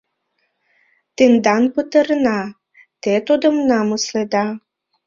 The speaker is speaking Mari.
Тендан пытарена: те тудым намыследа!